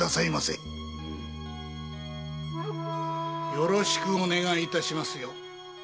よろしくお願い致しますよ。